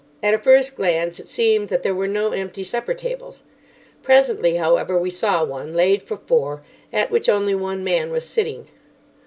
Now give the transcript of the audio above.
At a first glance it seemed that there were no empty supper tables. Presently, however, we saw one, laid for four, at which only one man was sitting.